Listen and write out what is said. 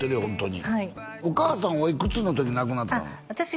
ホントにお母さんおいくつの時亡くなったの？